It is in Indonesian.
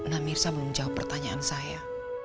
namirsa belum jawab pertanyaan saya